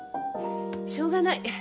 しょうがない。